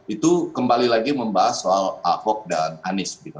itu kembali lagi membahas soal avog dan anis gitu